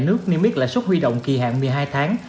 nước niêm yết lãi suất huy động kỳ hạn một mươi hai tháng